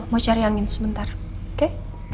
mau cari angin sebentar oke